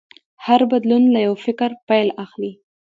هر بدلون له یو فکر پیل اخلي.